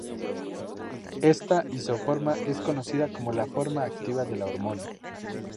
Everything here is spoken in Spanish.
Esta isoforma es conocida como la forma activa de la hormona.